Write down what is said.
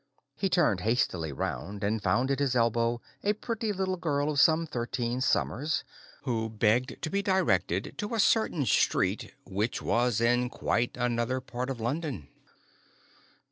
He turned hastily round, and found at his elbow a pretty little girl of some thirteen summers, who begged to be directed to a certain street which was in quite another part of London.